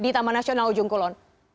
sama nasional ujung kulon